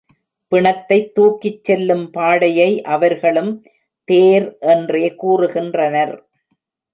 பிணத்தைத் தூக்கிச் செல்லும் பாடையை அவர்களும் தேர் என்றே கூறுகின்றனர்.